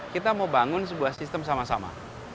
kita mau bangun sebuah sistem sama sama